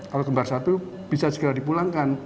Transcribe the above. kalau kembar satu bisa segera dipulangkan